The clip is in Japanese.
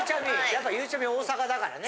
やっぱゆうちゃみは大阪だからね。